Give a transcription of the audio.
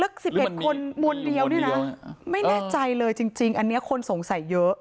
แล้ว๑๑คนมวลเดียวเนี่ยนะไม่แน่ใจเลยจริงอันนี้คนสงสัยเยอะ